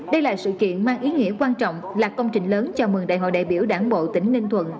đây là sự kiện mang ý nghĩa quan trọng là công trình lớn chào mừng đại hội đại biểu đảng bộ tỉnh ninh thuận